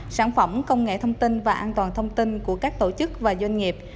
sản phẩm công nghệ thông tin và an toàn thông tin của các tổ chức và doanh nghiệp